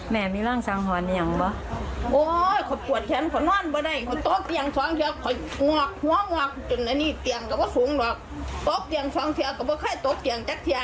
แม่มีรางสังหรณ์เป็นอย่างมั๊ย